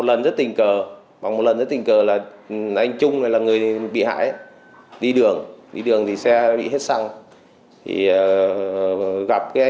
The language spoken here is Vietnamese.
anh trung là người bị hại đi đường đi đường thì xe bị hết xăng